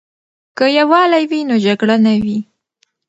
که یووالی وي نو جګړه نه وي.